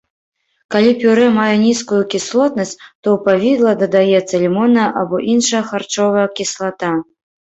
Калі пюрэ мае нізкую кіслотнасць, то ў павідла дадаецца лімонная або іншая харчовая кіслата.